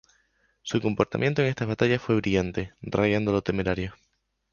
Su comportamiento en estas batallas fue brillante, rayando lo temerario.